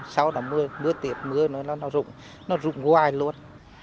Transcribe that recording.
sau đó mưa tiệt mưa nữa nó rụng nó rụng hoài luôn